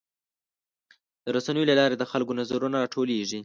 د رسنیو له لارې د خلکو نظرونه راټولیږي.